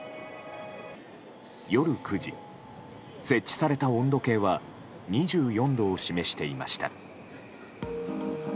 夜９時、設置された温度計は２４度を示していました。